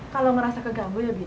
kalau ngerasa kegabung ya bina